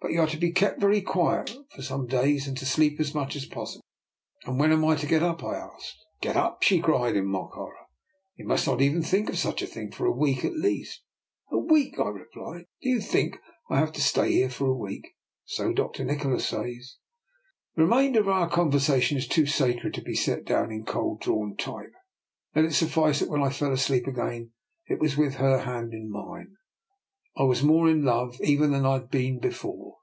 " But you are to be kept very quiet for some days, and to sleep as much as possible." '* And when am I to get up? " I asked. "Get up!" she cried in mock horror. " You must not even think of such a thing for a week at least." 262 I>R. NIKOLA'S EXPERIMENT. "A week!" I replied. "Do you think I've to stay here for a week? "" So Dr. Nikola says." The remainder of our conversation is too sacred to be set down in cold drawn type. Let it suffice that when I fell asleep again it was with her hand in mine. I was more in love even than I had been before.